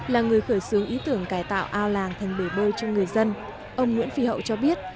là người khởi xướng ý tưởng cải tạo ao làng thành bể bơi cho người dân ông nguyễn phi hậu cho biết